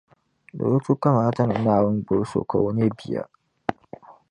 Di bi tu kamaata ni Naawuni gbibi so ka o nyɛ O bia.